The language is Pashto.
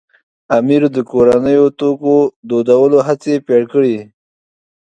امیر د کورنیو توکو دودولو هڅې پیل کړې.